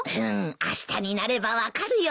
あしたになれば分かるよ。